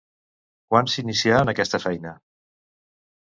Quan s'inicià en aquesta feina?